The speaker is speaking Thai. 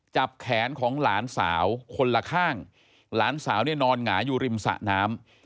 จับแขนของหลานสาวคนละข้างหลานสาวเนี่ยนอนหงายอยู่ริมสะน้ำ